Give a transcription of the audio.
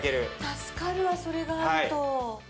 助かるわそれがあると。